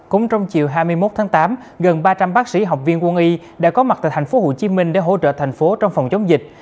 cũng trong chiều hai mươi một tháng tám gần ba trăm linh bác sĩ học viên quân y đã có mặt tại thành phố hồ chí minh để hỗ trợ thành phố trong phòng chống dịch